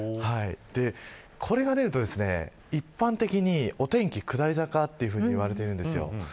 これが出ると、一般的にお天気は下り坂と言われているんです。